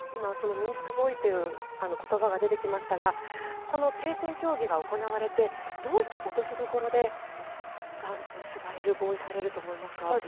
ミンスク合意という言葉が出てきましたがこの停戦協議が行われてどういった落としどころで結ばれる、合意されると思いますか？